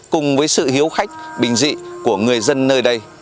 cùng với sự hiếu khách bình dị của người dân nơi đây